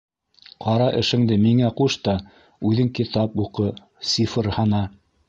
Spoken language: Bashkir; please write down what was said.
Ҡара эшеңде миңә ҡуш та - үҙең китап уҡы, сифр һана.